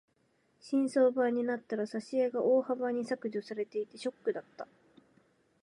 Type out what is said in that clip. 新装版になったら挿絵が大幅に削除されていてショックだった。